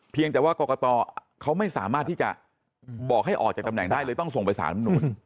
แต่ว่ากรกตเขาไม่สามารถที่จะบอกให้ออกจากตำแหน่งได้เลยต้องส่งไปสารรัฐมนุน